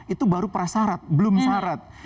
itu baru prasarat belum syarat